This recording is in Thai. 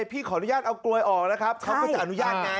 พี่ขออนุญาตเอากลวยออกนะครับเขาก็จะอนุญาตไง